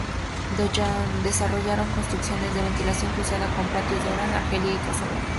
Desarrollaron construcciones de ventilación cruzada con patios, en Orán, Argelia y Casablanca.